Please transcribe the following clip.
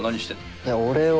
いや俺は。